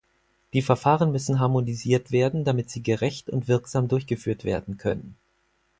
Die Verfahren müssen harmonisiert werden, damit sie gerecht und wirksam durchgeführt werden können.